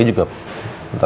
ini udah selesai